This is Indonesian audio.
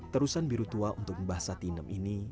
terusan biru tua untuk mbah satinem ini